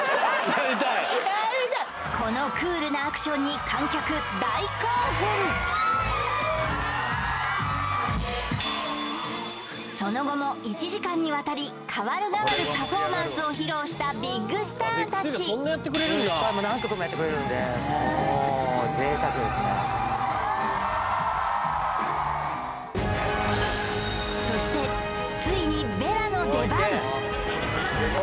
やりたいこのクールなアクションに観客大興奮その後も１時間にわたりかわるがわるパフォーマンスを披露したビッグスターたちそしてついにヴェラの出番